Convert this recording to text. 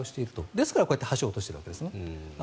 ですからこうやって橋を落としているわけですね。